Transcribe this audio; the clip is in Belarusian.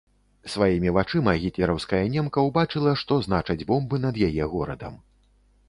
Сваімі вачыма гітлераўская немка ўбачыла, што значаць бомбы над яе горадам.